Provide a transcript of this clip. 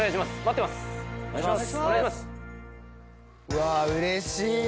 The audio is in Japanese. うわうれしい！